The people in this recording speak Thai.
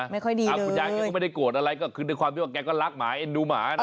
ไม่ค่อยดีคุณยายแกก็ไม่ได้โกรธอะไรก็คือด้วยความที่ว่าแกก็รักหมาเอ็นดูหมานะ